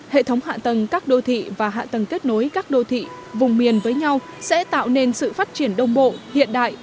hệ thống hạ tầng các đô thị và hạ tầng kết nối các đô thị vùng miền với nhau sẽ tạo nên sự phát triển đông bộ hiện đại